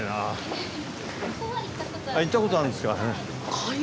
行った事あるんですか。